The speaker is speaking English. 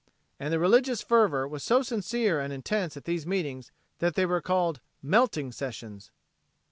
And the religious fervor was so sincere and intense at these meetings that they were called "melting sessions."